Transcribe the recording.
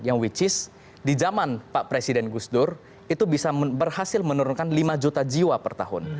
yang which is di zaman pak presiden gus dur itu bisa berhasil menurunkan lima juta jiwa per tahun